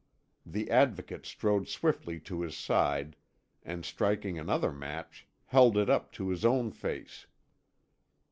The Advocate strode swiftly to his side, and striking another match, held it up to his own face.